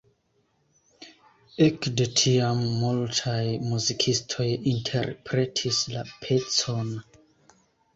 Ekde tiam multaj muzikistoj interpretis la pecon.